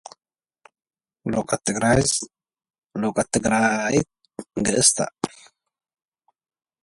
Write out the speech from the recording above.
The loss of Chunuk Bair marked the end of the Battle of Sari Bair.